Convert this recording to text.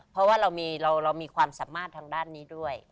เพราะว่าเรามีความสามารถทางด้านนี้ด้วย